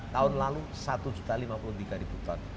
tahun lalu satu juta lima puluh tiga ribu ton